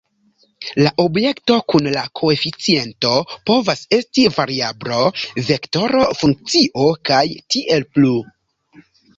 La objekto kun la koeficiento povas esti variablo, vektoro, funkcio, kaj tiel plu.